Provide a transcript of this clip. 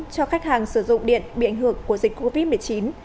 cho khách hàng sử dụng điện bị ảnh hưởng của dịch covid một mươi chín